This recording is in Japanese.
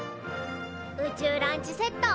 宇宙ランチセット